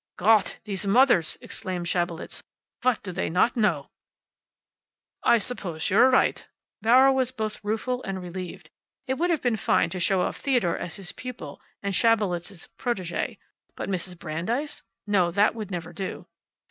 "God! These mothers!" exclaimed Schabelitz. "What do they not know!" "I suppose you are right." Bauer was both rueful and relieved. It would have been fine to show off Theodore as his pupil and Schabelitz's protege. But Mrs. Brandeis? No, that would never do.